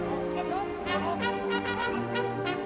อัศวินธรรมชาติ